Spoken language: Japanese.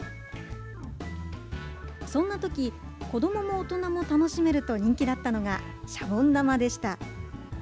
そんなとき、子どもも大人も楽しめると人気だったのが、シャボン玉でした。